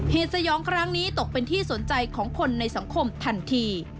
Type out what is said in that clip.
สยองครั้งนี้ตกเป็นที่สนใจของคนในสังคมทันที